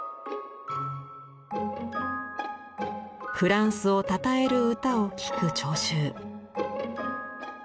フランスを讃える歌を聴く聴衆。